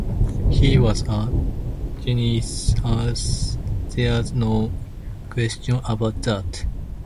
He was a genius, there's no question about that.